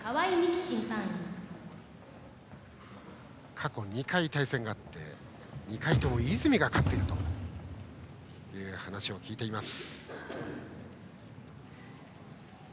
過去２回、対戦があって２回とも泉が勝っているという話を聞いています。